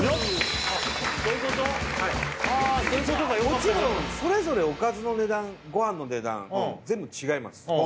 もちろんそれぞれおかずの値段ご飯の値段全部違います